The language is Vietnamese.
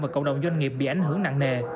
và cộng đồng doanh nghiệp bị ảnh hưởng nặng nề